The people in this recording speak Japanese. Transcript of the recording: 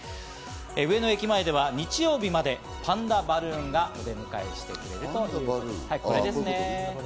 上野駅前では日曜日までパンダバルーンがお迎えしてくれるということです。